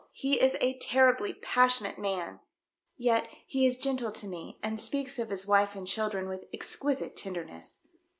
He is a terribly passionate man. Yet he is gentle to me, and speaks of his wife and children with exquisite tenderness."